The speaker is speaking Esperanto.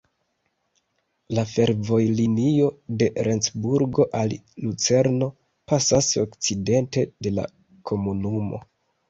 La fervojlinio de Lencburgo al Lucerno pasas okcidente de la komunumo.